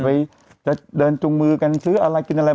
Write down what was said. ไปจะเดินจุงมือกันซื้ออะไรกินอะไร